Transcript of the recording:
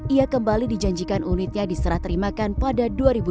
ia kembali dijanjikan unitnya diserah terimakan pada dua ribu dua puluh